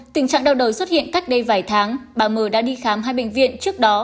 tình trạng đau đầu xuất hiện cách đây vài tháng bà mờ đã đi khám hai bệnh viện trước đó